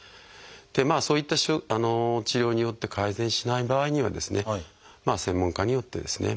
そういった治療によって改善しない場合には専門家によってですね